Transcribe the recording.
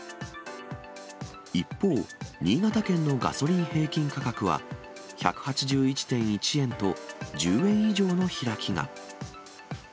一方、新潟県のガソリン平均価格は１８１．１円と、１０円以上の開きが。